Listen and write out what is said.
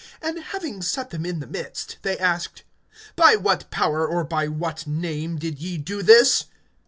(7)And having set them in the midst, they asked: By what power, or by what name, did ye do this?